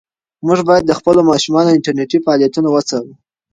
موږ باید د خپلو ماشومانو انټرنيټي فعالیتونه وڅارو.